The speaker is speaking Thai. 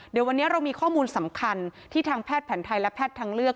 เดี๋ยววันนี้เรามีข้อมูลสำคัญที่ทางแพทย์แผนไทยและแพทย์ทางเลือก